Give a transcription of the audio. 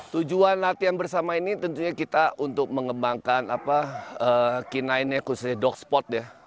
tujuan latihan bersama ini tentunya kita untuk mengembangkan kinainnya khususnya dog sport ya